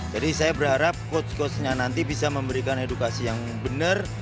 jadi saya berharap coach coach nya nanti bisa memberikan edukasi yang benar